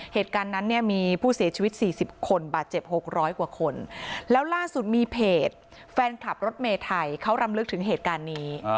เหตุการณ์นั้นเนี่ยมีผู้เสียชีวิต๔๐คนบาดเจ็บ๖๐๐กว่าคนแล้วล่าสุดมีเพจแฟนขับรถเมย์ไทยเขารำลึกถึงเหตุการณ์นี้